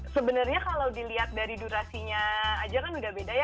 sebenarnya kalau dilihat dari durasinya aja kan beda beda ya